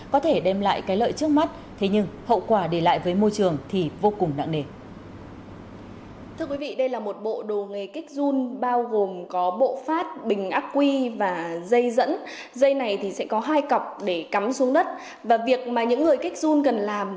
có thể đem lại cái lợi trước mắt thế nhưng hậu quả để lại với môi trường thì vô cùng nặng nề